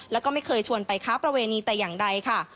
แล้วก็ไม่เคยชวนไปค้าประเวณีแต่อย่างใดค่ะ